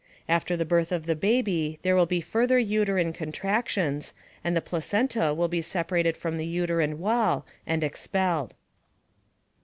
After the birth of the baby there will be further uterine contractions and the placenta will be separated from the uterine wall and expelled.